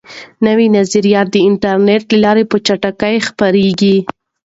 نوي نظریات د انټرنیټ له لارې په چټکۍ خپریږي.